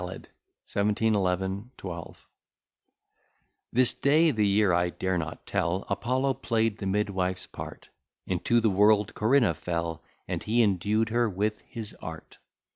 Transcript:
] CORINNA, A BALLAD 1711 12 This day (the year I dare not tell) Apollo play'd the midwife's part; Into the world Corinna fell, And he endued her with his art.